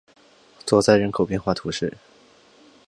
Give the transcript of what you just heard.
索赛人口变化图示